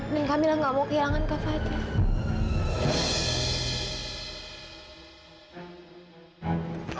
dan kamila nggak mau kehilangan kafadil